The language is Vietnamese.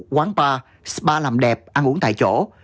quán bar spa làm đẹp ăn uống tại chỗ